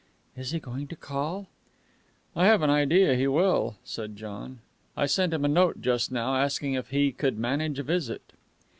"Is he going to call?" "I have an idea he will," said John. "I sent him a note just now, asking if he could manage a visit."